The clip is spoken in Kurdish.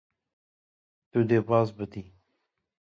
Tu dê baz bidî.